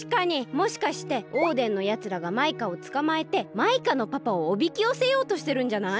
もしかしてオーデンのやつらがマイカをつかまえてマイカのパパをおびきよせようとしてるんじゃない？